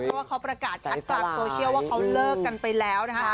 เพราะว่าเขาประกาศชัดกลางโซเชียลว่าเขาเลิกกันไปแล้วนะคะ